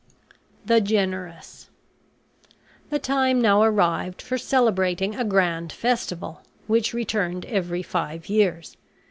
THE GENEROUS The time now arrived for celebrating a grand festival, which returned every five years.